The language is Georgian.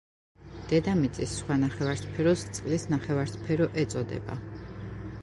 დედამიწის სხვა ნახევარსფეროს წყლის ნახევარსფერო ეწოდება.